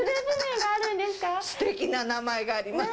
すてきな名前があります。